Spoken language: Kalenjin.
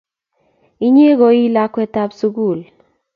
Inye ko I lakwetab sugul